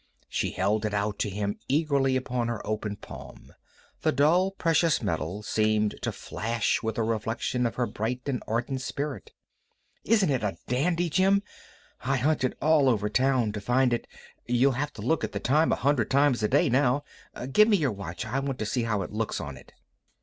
She held it out to him eagerly upon her open palm. The dull precious metal seemed to flash with a reflection of her bright and ardent spirit. "Isn't it a dandy, Jim? I hunted all over town to find it. You'll have to look at the time a hundred times a day now. Give me your watch. I want to see how it looks on it."